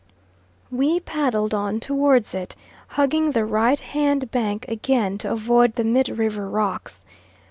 We paddled on towards it, hugging the right hand bank again to avoid the mid river rocks.